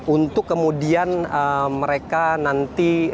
untuk kemudian mereka nanti